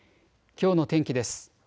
きょうの天気です。